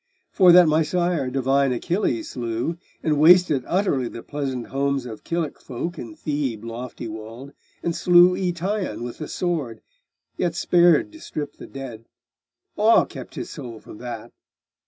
For that my sire divine Achilles slew, And wasted utterly the pleasant homes Of Kilic folk in Thebe lofty walled, And slew Eetion with the sword! yet spared To strip the dead: awe kept his soul from that.